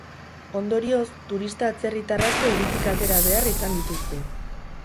Ondorioz, turista atzerritar asko hiritik atera behar izan dituzte.